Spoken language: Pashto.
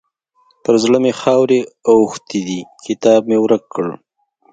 پر زړه مې خاورې اوښتې دي؛ کتاب مې ورک کړ.